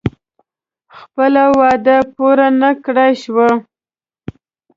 خپله وعده پوره نه کړای شوه.